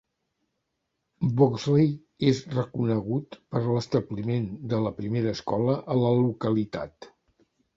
Boxley és reconegut per l'establiment de la primera escola a la localitat.